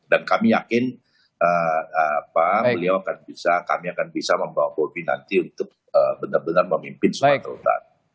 dan kami yakin pak beliau akan bisa kami akan bisa membawa bobi nanti untuk benar benar memimpin sumatera utara